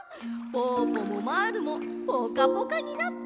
ぽぅぽもまぁるもぽかぽかになった。